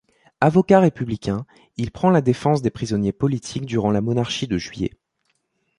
Avocat républicain, il prend la défense des prisonniers politiques durant la Monarchie de Juillet.